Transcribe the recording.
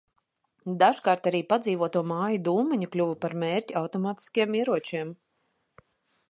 Dažkārt arī padzīvoto māju dūmeņi kļuva par mērķi automātiskiem ieročiem.